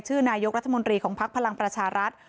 ชื่อนายกรัฐมนตรีของพักพลังประชารัฐ